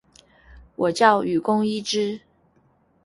我叫雨宫伊织！